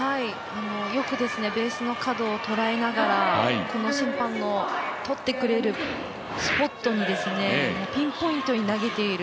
よくベースの角を捉えながら、この審判のとってくれるスポットにピンポイントに投げてくる